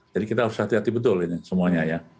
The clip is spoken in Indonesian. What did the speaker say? jadi kita harus hati hati betul ini semuanya ya